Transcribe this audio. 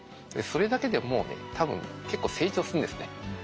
それだけでもうね多分結構成長するんですね。